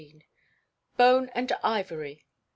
Bone and Ivory.